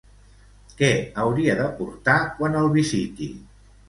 Què hauria de portar quan el visiti?